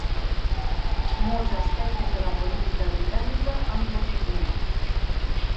Molts aspectes de la política britànica han continuat.